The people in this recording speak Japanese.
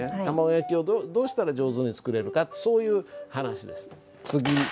卵焼きをどうしたら上手に作れるかそういう話です。